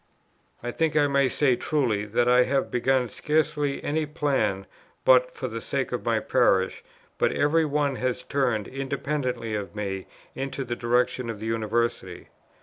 "I think I may say truly that I have begun scarcely any plan but for the sake of my parish, but every one has turned, independently of me, into the direction of the University.